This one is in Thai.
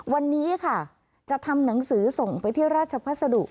วันนี้ค่ะจะทำหนังสือส่งไปที่ราชพัสดุ